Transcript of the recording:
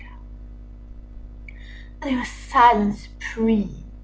There was silence supreme!